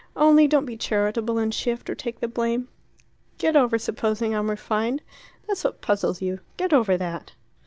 Only don't be charitable and shift or take the blame. Get over supposing I'm refined. That's what puzzles you. Get over that."